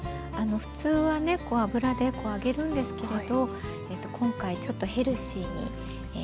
普通はね油で揚げるんですけれど今回ちょっとヘルシーに。